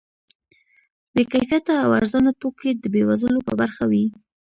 بې کیفیته او ارزانه توکي د بې وزلو په برخه وي.